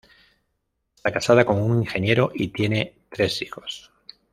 Está casada con un ingeniero y tienen tres hijos..